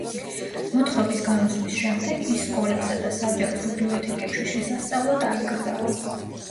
მოთხრობის გამოსვლის შემდეგ, ის სკოლებსა და საჯარო ბიბლიოთეკებში შესასწავლად აიკრძალა.